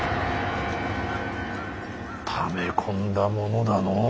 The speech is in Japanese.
ため込んだものだのう。